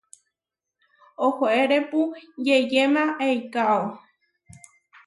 Ohóerepu yeʼyéma eikáo.